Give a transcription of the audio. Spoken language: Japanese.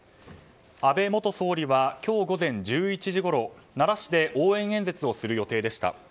安倍元総理は今日午前１１時ごろ、奈良市で応援演説をする予定でした。